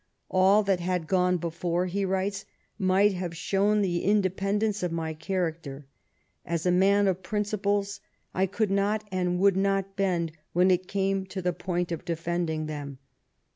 " All that had gone before," he writes, " might have shown the independence of my character. As a man of principles, I could not and I would not bend when it came to the point of defending them.